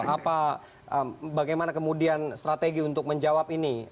apa bagaimana kemudian strategi untuk menjawab ini